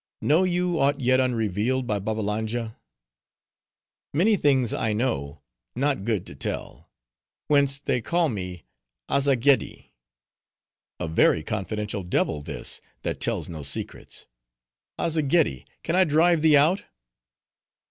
Know you aught yet unrevealed by Babbalanja?" "Many things I know, not good to tell; whence they call me Azzageddi." "A very confidential devil, this; that tells no secrets. Azzageddi, can I drive thee out?"